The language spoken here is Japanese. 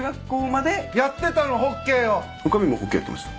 女将もホッケーやってました。